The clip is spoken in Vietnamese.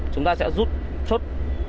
chúng ta sẽ rút chút